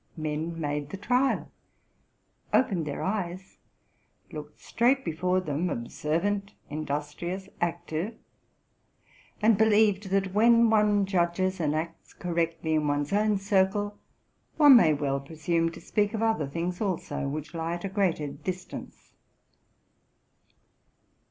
Men made the trial, opened their eyes, looked straight before them, observant, industrious, active, and believed, that, when one judges and acts correctly in one's own circle, one may well presume to speak of other things also, which lie at a greater distance.